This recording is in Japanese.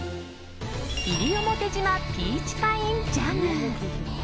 西表島ピーチパインジャム。